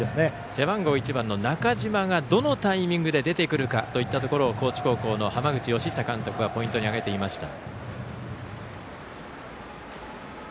背番号１番の中嶋がどのタイミングで出てくるかということを高知高校の浜口佳久監督はポイントに挙げていました。